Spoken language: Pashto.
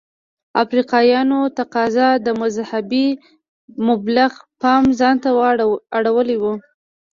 د افریقایانو تقاضا د مذهبي مبلغ پام ځانته ور اړولی و.